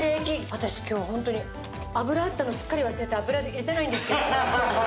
私今日ホントに油あったのすっかり忘れて油入れてないんですけど。